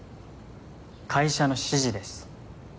会社の指示です。